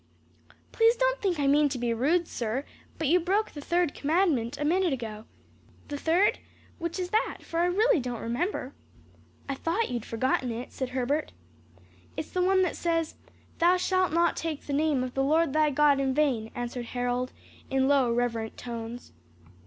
"Please don't think I mean to be rude, sir, but you broke the third commandment a minute ago." "The third? which is that? for I really don't remember." "I thought you'd forgotten it," said Herbert. "It's the one that says, 'Thou shalt not take the name of the Lord thy God in vain,'" answered Harold, in low reverent tones.